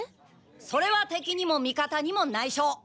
それは敵にも味方にもないしょ！